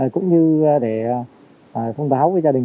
cũng như để phong báo với gia đình